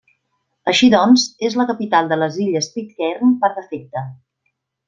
Així doncs, és la capital de les Illes Pitcairn per defecte.